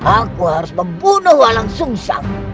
aku harus membunuh walang sungsang